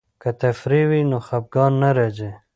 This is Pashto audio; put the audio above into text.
که تفریح وي نو خفګان نه راځي.